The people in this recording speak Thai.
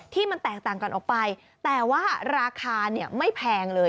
ที่มันแตกต่างกันออกไปแต่ว่าราคาเนี่ยไม่แพงเลย